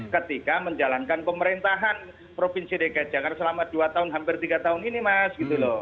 ketika menjalankan pemerintahan provinsi dg jakarta selama dua tahun hampir tiga tahun ini mas